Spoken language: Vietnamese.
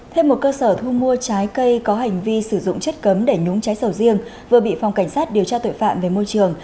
thêm một cơ sở thu mua trái cây có hành vi sử dụng chất cấm để núng trái sầu riêng vừa bị phòng cảnh sát điều tra tội phạm về môi trường